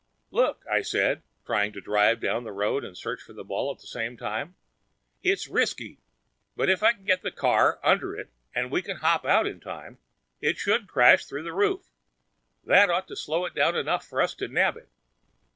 "Look," I said, trying to drive down the road and search for the ball at the same time. "It's risky, but if I can get the car under it and we can hop out in time, it should crash through the roof. That ought to slow it down enough for us to nab it."